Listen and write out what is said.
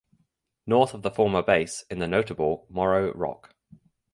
North of the former base in the notable Morro Rock.